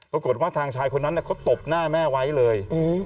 ปรากฏว่าทางชายคนนั้นเขาตบหน้าแม่ไว้เลย